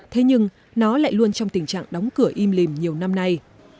thế nhưng nó lại luôn trong tình trạng đóng cửa im lìm nhiều năm nay